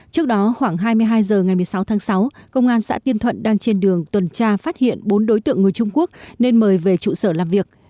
trước đó khoảng hai mươi hai h ngày một mươi sáu tháng sáu công an xã tiên thuận đang trên đường tuần tra phát hiện bốn đối tượng người trung quốc nên mời về trụ sở làm việc